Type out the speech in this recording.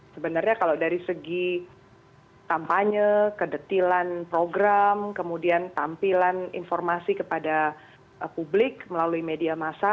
sebenarnya kalau dari segi kampanye kedetilan program kemudian tampilan informasi kepada publik melalui media massa